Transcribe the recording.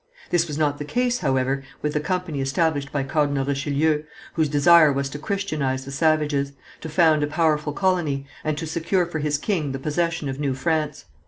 This was not the case, however, with the company established by Cardinal Richelieu, whose desire was to christianize the savages, to found a powerful colony, and to secure for his king the possession of New France.